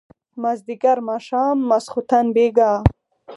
مازيګر ماښام ماسخوتن بېګا